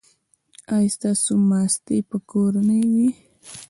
ایا ستاسو ماستې به کورنۍ وي؟